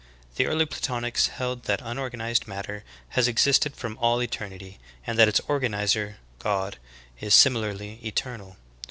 The early Platonics held that unorganized matter has ex isted from all eternity, and that its organizer, God, is sim ilarly eternal.